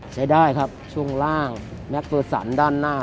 ใช้ได้ครับช่วงล่างแมคเวอร์สันด้านหน้า